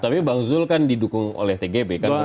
tapi bang zul kan didukung oleh tgb kan